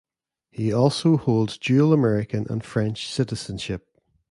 He also holds dual American and French citizenship.